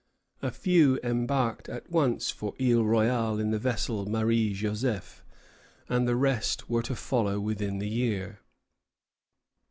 A few embarked at once for Isle Royale in the vessel "Marie Joseph," and the rest were to follow within the year.